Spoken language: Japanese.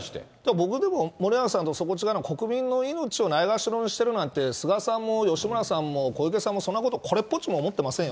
僕、でも、森永さんとそこ違うのは、国民の命をないがしろにしてるなんて、菅さんも、吉村さんも、小池さんも、そんなことこれっぽっちも思ってませんよ。